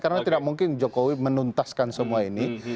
karena tidak mungkin jokowi menuntaskan semua ini